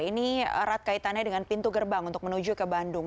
ini erat kaitannya dengan pintu gerbang untuk menuju ke bandung